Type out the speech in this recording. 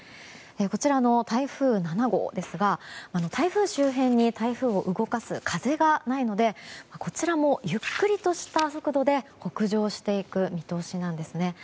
こちらの台風７号ですが台風周辺に、台風を動かす風がないので、こちらもゆっくりとした速度で北上していく見通しなんですね。